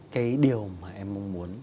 cái điều mà em mong muốn